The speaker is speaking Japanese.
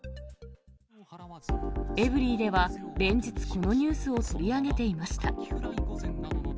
エブリィでは連日、このニュースを取り上げていました。